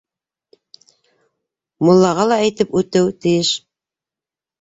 Муллаға ла әйтеп үтеү тейеш.